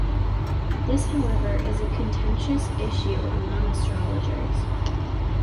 This however is a contentious issue among astrologers.